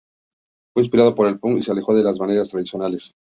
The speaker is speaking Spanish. Fue inspirado por el punk, y se alejó de las maneras tradicionales.